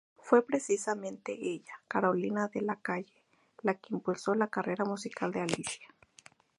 Fue precisamente ella, Carolina de Lacalle la que impulsó la carrera musical de Alicia.